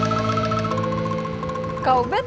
ga ada masalah adolescentster